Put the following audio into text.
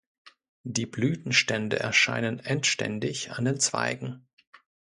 Die Blütenstände erscheinen endständig an den Zweigen.